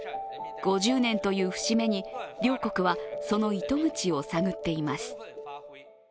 ５０年という節目に両国はその糸口を探っています。